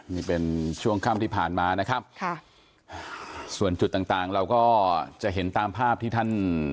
นี่เป็นช่วงค่ำที่ผ่านมานะครับค่ะส่วนจุดต่างต่างเราก็จะเห็นตามภาพที่ท่าน